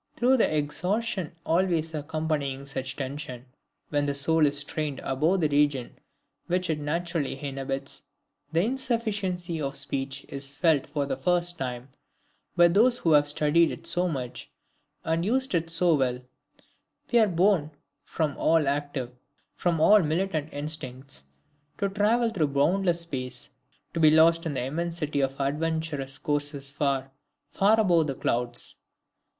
"Through the exhaustion always accompanying such tension, when the soul is strained above the region which it naturally inhabits... the insufficiency of speech is felt for the first time by those who have studied it so much, and used it so well we are borne from all active, from all militant instincts to travel through boundless space to be lost in the immensity of adventurous courses far, far above the clouds...